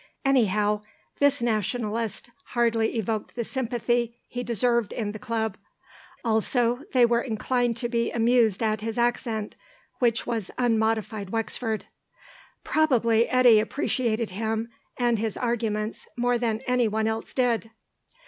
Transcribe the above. Anyhow, this Nationalist hardly evoked the sympathy he deserved in the Club. Also they were inclined to be amused at his accent, which was unmodified Wexford. Probably Eddy appreciated him and his arguments more than anyone else did.